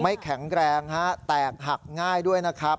แข็งแรงฮะแตกหักง่ายด้วยนะครับ